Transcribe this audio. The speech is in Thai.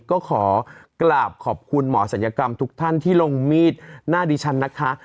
ก็ขอกราบขอบคุณหมอศัลยกรรมทุกท่านที่ลงมีดหน้าดิฉันนะคะ